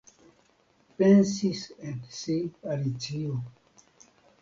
Pensis en si Alicio.